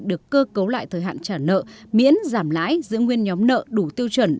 được cơ cấu lại thời hạn trả nợ miễn giảm lái giữ nguyên nhóm nợ đủ tiêu chuẩn